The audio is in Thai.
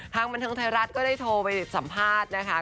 บันเทิงไทยรัฐก็ได้โทรไปสัมภาษณ์นะคะ